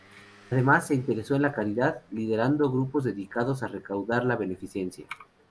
Además, se interesó en la caridad, liderando grupos dedicados a recaudar para la beneficencia.